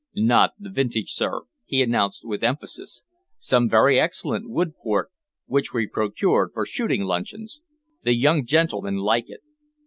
"Not the vintage, sir," he announced with emphasis. "Some very excellent wood port, which we procured for shooting luncheons. The young gentlemen like it."